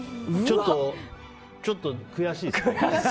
ちょっと悔しいですね。